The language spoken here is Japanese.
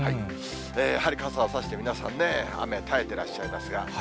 やはり傘を差して皆さんね、雨、耐えてらっしゃいますが。